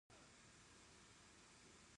هغوی د روښانه خوبونو د لیدلو لپاره ناست هم وو.